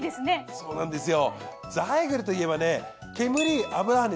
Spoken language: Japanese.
そうなんですよ。